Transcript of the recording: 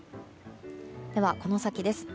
では、この先です。